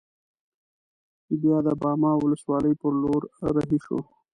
بیا د باما ولسوالۍ پر لور رهي شوو.